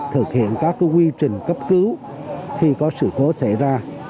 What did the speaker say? thực hiện các quy trình cấp cứu khi có sự cố xảy ra